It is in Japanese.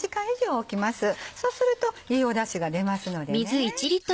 そうするといいだしが出ますのでね。